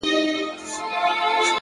عجیبه ده لېونی آمر مي وایي ـ